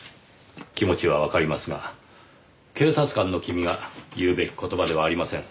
気持ちはわかりますが警察官の君が言うべき言葉ではありません。